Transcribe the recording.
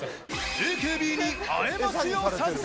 ＡＫＢに会えますよ作戦。